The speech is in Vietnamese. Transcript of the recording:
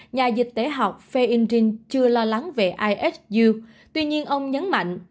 nhà dịch tế học feindring chưa lo lắng về ihu tuy nhiên ông nhấn mạnh